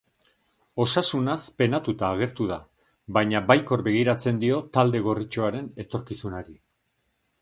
Osasunaz penatuta agertu da, baina baikor begiratzen dio talde gorritxoaren etorkizunari.